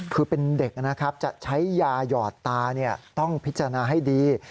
คือเป็นเด็กนะครับจะใช้ยาหยอดตาต้องพิจารณาให้ดี